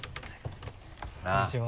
こんにちは。